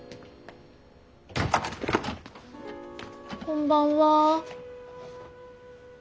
こんばんは。